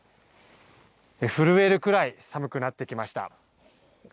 震えるくらい寒くなってきました。